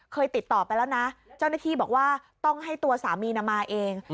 ติดต่อไปแล้วนะเจ้าหน้าที่บอกว่าต้องให้ตัวสามีมาเอง